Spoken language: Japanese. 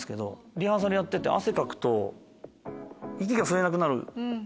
リハーサルやってて汗かくと息が吸えなくなる。